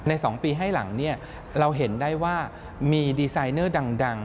ในสองปีให้หลังเราเห็นได้ว่ามีดีไซน์เนอร์ดัง